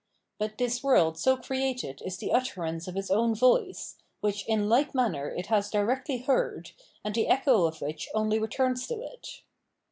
But this world so created is the utterance of its own voice, which in like manner it has directly heard, and the echo of which only returns to it.